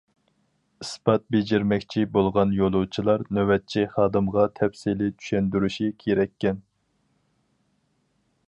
ئىسپات بېجىرمەكچى بولغان يولۇچىلار نۆۋەتچى خادىمغا تەپسىلىي چۈشەندۈرۈشى كېرەككەن.